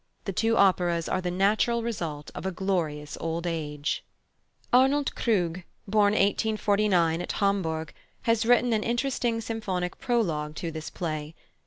The two operas are the natural result of a glorious old age. +Arnold Krug+, born 1849 at Hamburg, has written an interesting symphonic prologue to this play.